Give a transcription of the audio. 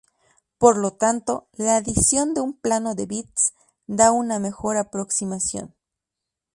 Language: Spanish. Por lo tanto, la adición de un plano de bits da una mejor aproximación.